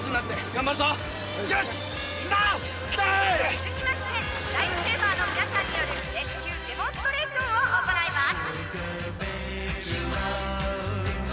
「続きましてライフセーバーの皆さんによるレスキューデモンストレーションを行います」